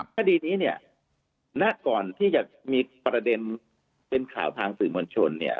คดีนี้เนี่ยณก่อนที่จะมีประเด็นเป็นข่าวทางสื่อมวลชนเนี่ย